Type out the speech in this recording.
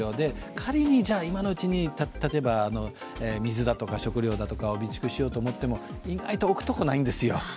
仮に今のうちに例えば水だとか食料だとかを備蓄しようと思っても意外と置くとこがないんですよ。